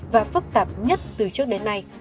và phức tạp nhất từ trước đến nay